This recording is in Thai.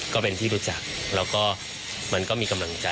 ก็เป็นที่รู้จักแล้วก็มันก็มีกำลังใจ